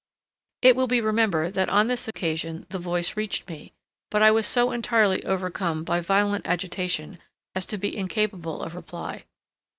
It will be remembered that on this occasion the voice reached me, but I was so entirely overcome by violent agitation as to be incapable of reply.